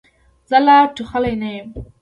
زه لا ټوخلې نه یم.